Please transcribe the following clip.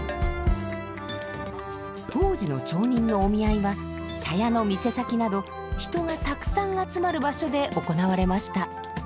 当時の町人のお見合いは茶屋の店先など人がたくさん集まる場所で行われました。